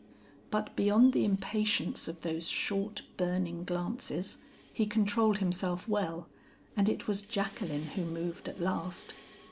"But beyond the impatience of those short burning glances, he controlled himself well, and it was Jacqueline who moved at last.